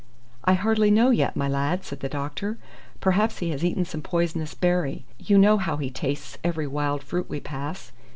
"I hardly know yet, my lad," said the doctor. "Perhaps he has eaten some poisonous berry. You know how he tastes every wild fruit we pass."